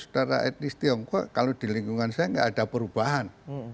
saudara etnis tiongkok kalau di lingkungan saya tidak ada perubahan